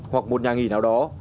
hoặc một nhà nghỉ nào đó